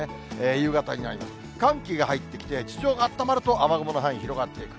夕方になりまして、寒気が入ってきて、地上があったまると、雨雲の範囲広がっていく。